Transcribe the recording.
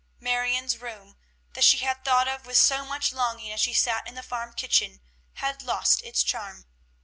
Marion's room, that she had thought of with so much longing as she sat in the farm kitchen, had lost its charm.